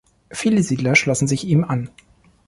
Viele Siedler schlossen sich ihm an.